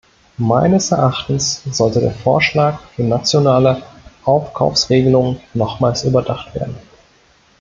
Meines Erachtens sollte der Vorschlag für nationale Aufkaufsregelungen nochmals überdacht werden.